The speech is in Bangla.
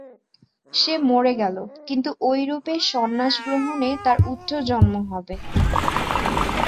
সে মরে গেল, কিন্তু ঐরূপে সন্ন্যাসগ্রহণে তার উচ্চ জন্ম হবে।